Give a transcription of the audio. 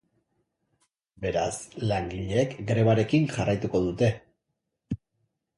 Beraz, langileek grebarekin jarraituko dute.